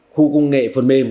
khu công nghệ phần mềm